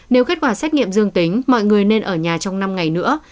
nếu kết quả xét nghiệm dương tính mọi người nên ở nhà trong năm ngày nữa